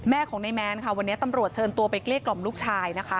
แม่ของนายแมนค่ะวันนี้ตำรวจเชิญตัวไปเกลี้กล่อมลูกชายนะคะ